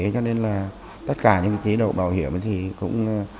cho nên là tất cả những chế độ bảo hiểm thì cũng